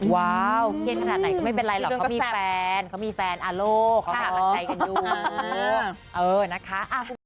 ว้าวเคล็ดขนาดไหนก็ไม่เป็นไรหรอกเค้ามีแฟนอาโลเค้ามาไทยกันดู